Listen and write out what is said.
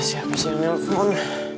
siapa sih yang telfon